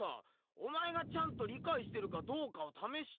お前がちゃんとりかいしてるかどうかをためして。